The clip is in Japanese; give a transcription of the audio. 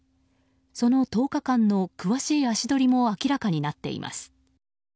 その１０日間の詳しい足取りも明らかになっています。